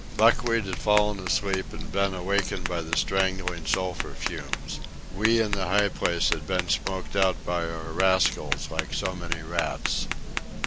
Buckwheat had fallen asleep and been awakened by the strangling sulphur fumes. We in the high place had been smoked out by our rascals like so many rats.